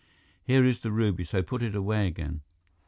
Here is the ruby, so put it away again."